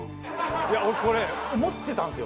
いや俺これ思ってたんですよ。